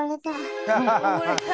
溺れた。